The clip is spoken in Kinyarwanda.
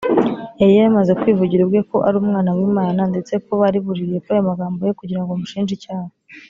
yari yamaze kwivugira ubwe ko ari umwana w’imana, ndetse bari buririye kuri ayo magambo ye kugira ngo bamushinje icyaha